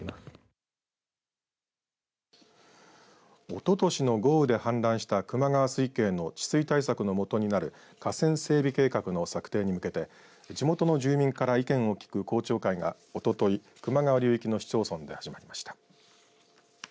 おととしの豪雨で氾濫した球磨川水系の治水対策のもとになる河川整備計画の策定に向けて地元の住民から意見を聞く公聴会がおととい、球磨川流域の市町村で始まりました。